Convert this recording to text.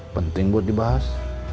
penting buat dibahas